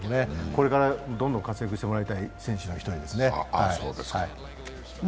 これからどんどん活躍してもらいたい選手の１人ですね。